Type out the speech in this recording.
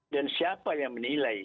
dan siapa yang menilai